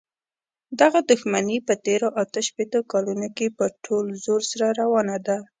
دغه دښمني په تېرو اته شپېتو کالونو کې په ټول زور سره روانه ده.